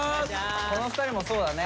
この２人もそうだね。